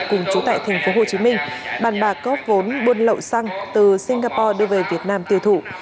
cùng chú tại tp hcm bàn bạc có vốn buôn lậu xăng từ singapore đưa về việt nam tiêu thụ